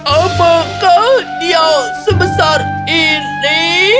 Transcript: apakah dia sebesar ini